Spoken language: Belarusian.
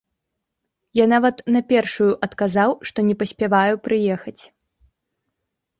Я нават на першую адказаў, што не паспяваю прыехаць.